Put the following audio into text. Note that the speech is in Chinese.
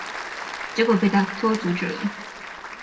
结果被达克托阻止了。